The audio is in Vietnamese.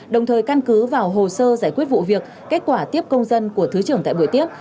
đồng thời căn cứ vào hồ sơ giải quyết vụ việc kết quả tiếp công dân của thứ trưởng tại buổi tiếp